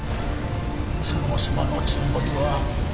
その島の沈没は